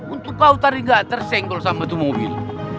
untuk kau tadi nggak tersenggol sama itu mobil